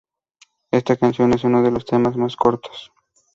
Esta canción es uno de los temas más cortos.